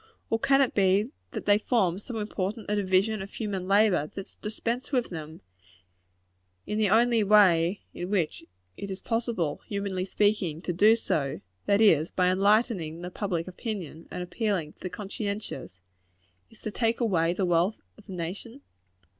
Or can it be that they form so important a division of human labor, that to dispense with them in the only way in which it is possible, humanly speaking, to do so that is, by enlightening public opinion, and appealing to the conscientious is to take away the wealth of the nation?